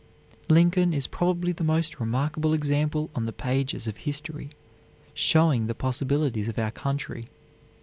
Lincoln is probably the most remarkable example on the pages of history, showing the possibilities of our country.